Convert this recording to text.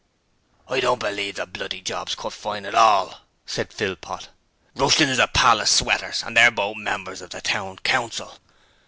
'I don't believe the bloody job's cut fine at all!' said Philpot. 'Rushton is a pal of Sweater's and they're both members of the Town Council.'